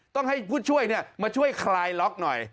ต้องให้ผู้ช่วยมาช่วยคลายล็อกหน่อย